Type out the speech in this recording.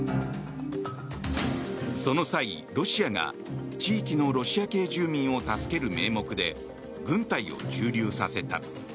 その際、ロシアが地域のロシア系住民を助ける名目で軍隊を駐留させた。